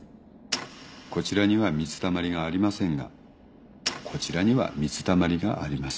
こちらには水たまりがありませんがこちらには水たまりがあります。